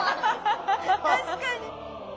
確かに。